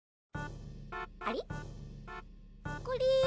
あれ？